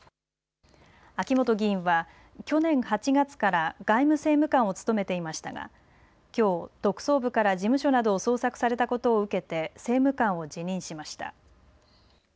秋本議員は去年８月から外務政務官を務めていましたがきょう、特捜部から事務所などを捜索されたことを受けて政務官を辞任しました。